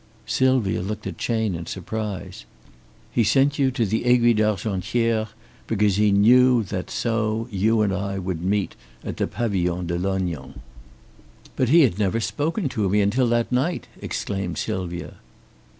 Sylvia looked at Chayne in surprise. "He sent you to the Aiguille d'Argentière, because he knew that so you and I would meet at the Pavilion de Lognan." "But he had never spoken to me until that night," exclaimed Sylvia.